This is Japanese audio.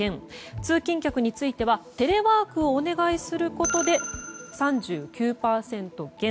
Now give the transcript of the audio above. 通勤客については、テレワークをお願いすることで３９％減。